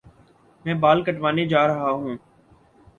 میں بال کٹوانے جا رہا ہوں